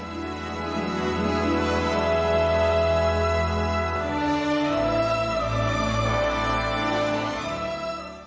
โปรดติดตามตอนต่อไป